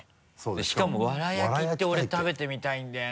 しかもわら焼きって俺食べてみたいんだよ